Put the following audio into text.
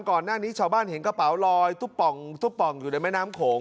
ก่อนหน้านี้ชาวบ้านเห็นกระเป๋าลอยตุ๊บป่องตุ๊บป่องอยู่ในแม่น้ำโขง